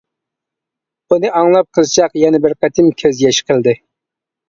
بۇنى ئاڭلاپ قىزچاق يەنە بىر قېتىم كۆز يېشى قىلدى.